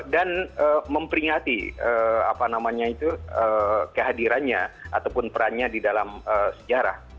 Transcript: dan memperingati apa namanya itu kehadirannya ataupun perannya di dalam sejarah